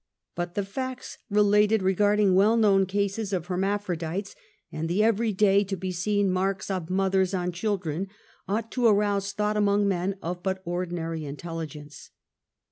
But the facts related reocardino well known cases of hermaphrodites, and the every day to be seen marks of mothers on children ought to arouse thought among men of but ordinary intelligence.